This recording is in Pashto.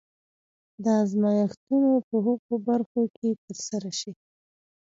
دا ازمایښتونه په هغو برخو کې ترسره شي.